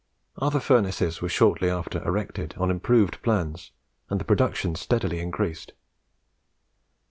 Other furnaces were shortly after erected on improved plans, and the production steadily increased.